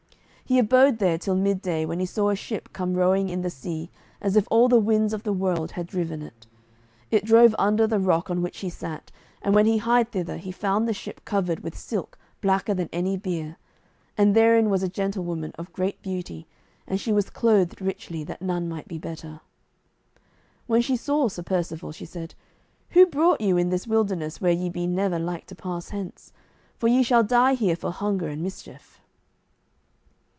He abode there till midday, when he saw a ship come rowing in the sea as if all the winds of the world had driven it. It drove under the rock on which he sat; and when he hied thither he found the ship covered with silk blacker than any bier, and therein was a gentlewoman of great beauty, and she was clothed richly that none might be better. When she saw Sir Percivale, she said, "Who brought you in this wilderness where ye be never like to pass hence? for ye shall die here for hunger and mischief."